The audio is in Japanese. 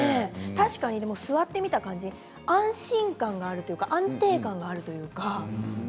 確かに座ってみた感じ安心感があるというか安定感があるというか。